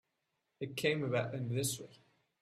It came about in this way.